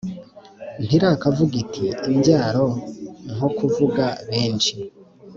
ntirakavuga iti Imbyaro nko kuvuga benshi